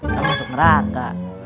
gak masuk neraka